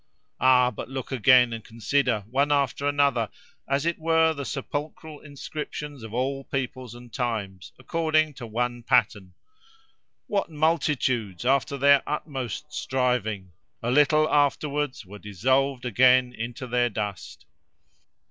Ah! but look again, and consider, one after another, as it were the sepulchral inscriptions of all peoples and times, according to one pattern.—What multitudes, after their utmost striving—a little afterwards! were dissolved again into their dust.